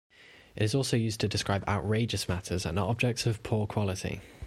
It is also used to describe outrageous matters and objects of poor quality.